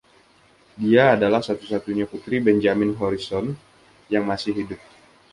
Dia adalah satu-satunya putri Benjamin Harrison yang masih hidup.